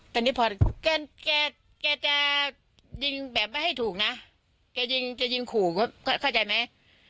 ตอนนี้พอแกจะยิงแบบไม่ให้ถูกนะแกยิงแกยิงขู่ก็เข้าใจไหม